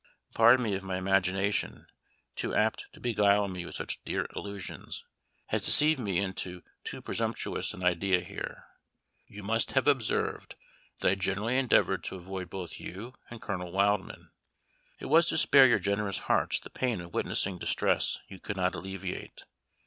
Pardon me if my imagination, too apt to beguile me with such dear illusions, has deceived me into too presumptuous an idea here. You must have observed that I generally endeavored to avoid both you and Colonel Wildman. It was to spare your generous hearts the pain of witnessing distress you could not alleviate.